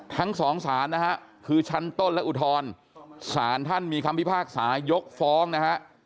ทั้งสองสารนะฮะคือชั้นต้นและอุทธรสารท่านมีคำพิพากษายกฟ้องนะฮะ